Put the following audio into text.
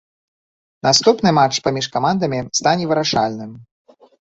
Наступны матч паміж камандамі стане вырашальным.